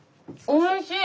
おいしい？